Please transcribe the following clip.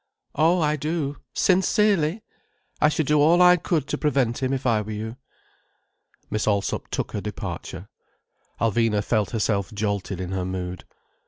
"Oh, I do. Sincerely! I should do all I could to prevent him, if I were you." Miss Allsop took her departure. Alvina felt herself jolted in her mood.